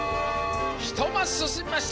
１マスすすみました！